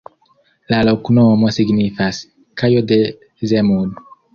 La loknomo signifas: kajo de Zemun.